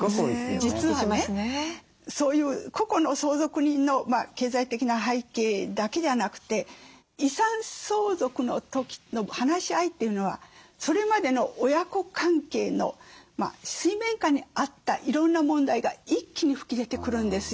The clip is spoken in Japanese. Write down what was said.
実はねそういう個々の相続人の経済的な背景だけじゃなくて遺産相続の時の話し合いというのはそれまでの親子関係の水面下にあったいろんな問題が一気に吹き出てくるんですよ。